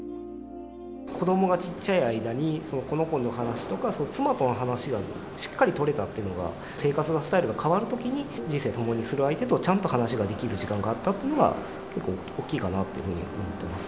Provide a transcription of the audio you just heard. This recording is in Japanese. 子どもが小っちゃい間に、この子の話とか、妻との話がしっかり取れたっていうのが、生活のスタイルが変わるときに、人生共にする相手と話ができる時間があったというのが結構大きいかなというふうに思っています。